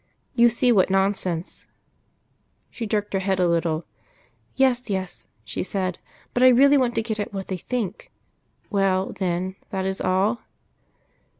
You see what nonsense " She jerked her head a little. "Yes, yes," she said. "But I really want to get at what they think.... Well, then, that is all?"